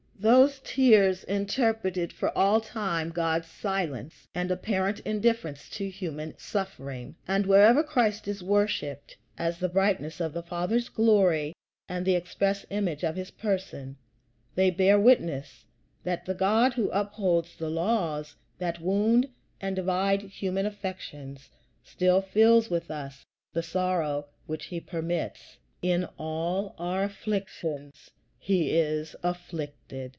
Those tears interpreted for all time God's silence and apparent indifference to human suffering; and wherever Christ is worshiped as the brightness of the Father's glory and the express image of his person, they bear witness that the God who upholds the laws that wound and divide human affections still feels with us the sorrow which he permits. "In all our afflictions he is afflicted."